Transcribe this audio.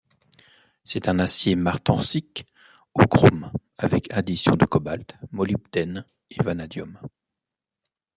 C'est un acier martensique au chrome, avec addition de cobalt, molybdène et vanadium.